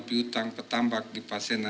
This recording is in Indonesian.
piutang petambak di pasir nadir